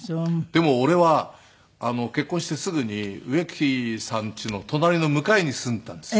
でも俺は結婚してすぐに植木さん家の隣の向かいに住んでいたんですよ。